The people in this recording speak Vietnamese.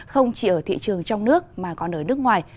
không chỉ ở thị trường trong nước mà còn ở nước ngoài